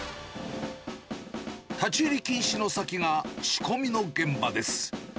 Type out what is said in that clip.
立ち入り禁止の先が仕込みの現場です。